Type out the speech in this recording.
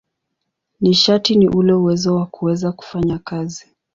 Nishati ni ule uwezo wa kuweza kufanya kazi.